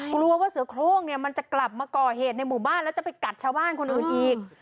กลัวว่าเสือโครงเนี่ยมันจะกลับมาก่อเหตุในหมู่บ้านแล้วจะไปกัดชาวบ้านคนอื่นอีก